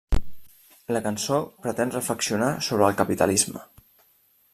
La cançó pretén reflexionar sobre el capitalisme.